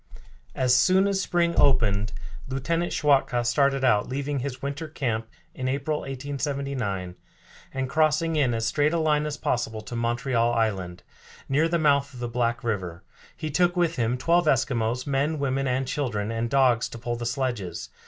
As soon as spring opened Lieutenant Schwatka started out, leaving his winter camp in April, 1879, and crossing in as straight a line as possible to Montreal Island, near the mouth of the Black River. He took with him twelve Eskimos, men, women, and children, and dogs to pull the sledges.